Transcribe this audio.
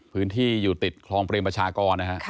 พื้นที่อยู่ติดคลองเตรียมประชากร